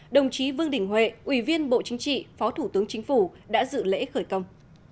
đồng chí vương đình huệ ubnd phó thủ tướng chính phủ đã dự lễ khởi công